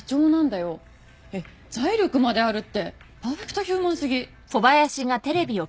えっ財力まであるってパーフェクトヒューマンすぎ。